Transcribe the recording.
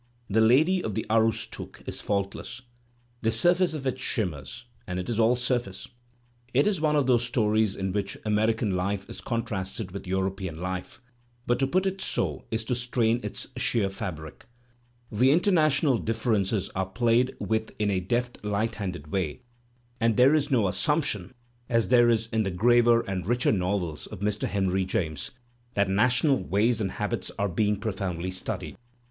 "The Lady of the Aroostook" is faultless. The surface of it shimmers — and it is all surface. It is one of those stories Digitized by Google 292 THE SPIRIT OF AMERICAN LITERATURE in which American *^Iife" is contrasted with European "life," but to put it so is to strain its sheer fabric. The international di£Ferences are played with in a deft light handed way, and there is no assumption, as there is in the graver and richer novels of Mr. Henry James, that national ways and habits are being profoundly studied.